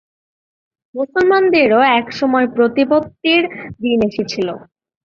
মুসলমানদেরও একসময় প্রতিপত্তির দিন এসেছিল।